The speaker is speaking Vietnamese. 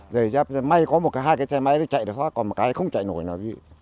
rời ra may có một cái hai cái xe máy nó chạy được thoát còn một cái không chạy nổi nào